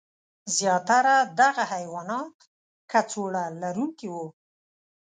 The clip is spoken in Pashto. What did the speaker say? زیاتره دغه حیوانات کڅوړه لرونکي وو.